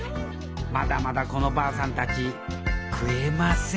まだまだこのばあさんたち食えません